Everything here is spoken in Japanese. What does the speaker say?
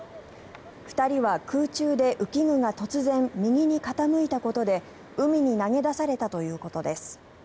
２人は空中で浮き具が突然、右に傾いたことで海に投げ出されたということです。